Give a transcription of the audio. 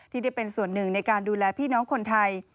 ที่ได้เป็นส่วนหนึ่งในการดูแลพี่น้องคนไทย